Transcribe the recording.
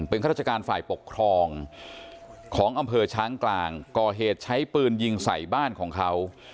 เป็นข้าราชการฝ่ายปกครองของอำเภอช้างกลางก่อเหตุใช้ปืนยิงใส่บ้านของเขา